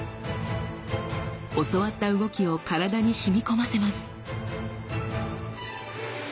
教わった動きを体に染み込ませます。